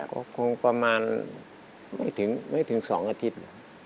ก็คงประมาณไม่ถึง๒อาทิตย์